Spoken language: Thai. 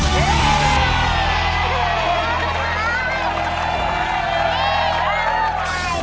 ถูกครับ